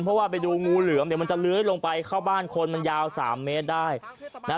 เพราะว่าไปดูงูเหลือมเนี่ยมันจะเลื้อยลงไปเข้าบ้านคนมันยาวสามเมตรได้นะฮะ